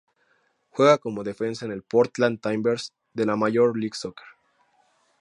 Juega como defensa en el Portland Timbers de la Major League Soccer.